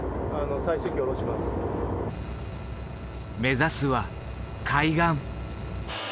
目指すは海岸。